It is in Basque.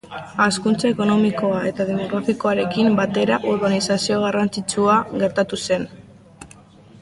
Hazkuntza ekonomiko eta demografikoarekin batera urbanizazio garrantzitsua gertatu zen.